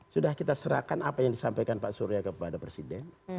sudah kita serahkan apa yang disampaikan pak surya kepada presiden